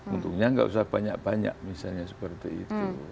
untungnya nggak usah banyak banyak misalnya seperti itu